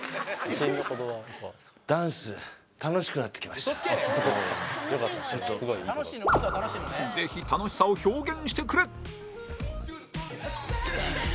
ダンスぜひ楽しさを表現してくれ